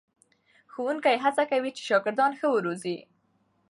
ښوونکي هڅه کوي چې شاګردان ښه وروزي.